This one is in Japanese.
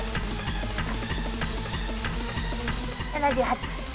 ７８。